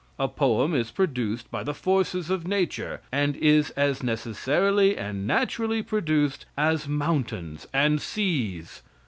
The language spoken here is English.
A poem is produced by the forces of nature, and is as necessarily and naturally produced as mountains and seas.